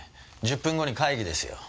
１０分後に会議ですよ。